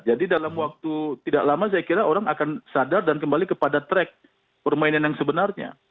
jadi dalam waktu tidak lama saya kira orang akan sadar dan kembali kepada track permainan yang sebenarnya